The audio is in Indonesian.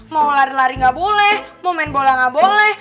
mau lari lari nggak boleh mau main bola nggak boleh